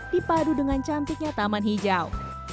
dipadu dengan cantiknya taman hijau